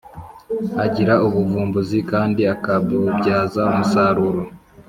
Agira ubuvumbuzi kandi akabubyaza umusaruro